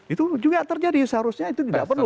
itu juga terjadi seharusnya itu tidak perlu